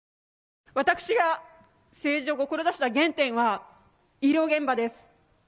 私が政治を志した原点は医療現場です。